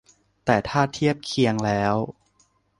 แต่ถ้าเทียบเคียงแล้ว